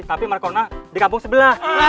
tapi marcorna di kampung sebelah